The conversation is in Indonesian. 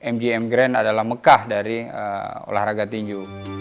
mgm grand adalah mekah dari olahraga tinju